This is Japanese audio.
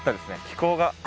気候が。